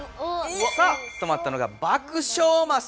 さあ止まったのが「爆笑」マス。